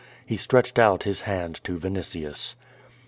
He stretched out his hand to Vinitius.